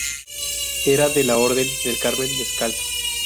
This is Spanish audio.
Era de la Orden del Carmen Descalzo.